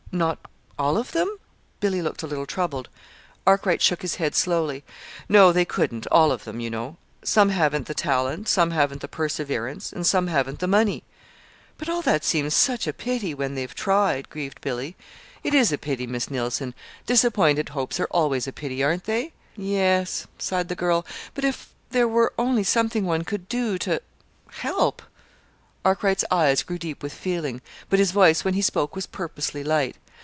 "Not all of them?" Billy looked a little troubled. Arkwright shook his head slowly. "No. They couldn't all of them, you know. Some haven't the talent, some haven't the perseverance, and some haven't the money." "But all that seems such a pity when they've tried," grieved Billy. "It is a pity, Miss Neilson. Disappointed hopes are always a pity, aren't they?" "Y yes," sighed the girl. "But if there were only something one could do to help!" Arkwright's eyes grew deep with feeling, but his voice, when he spoke, was purposely light.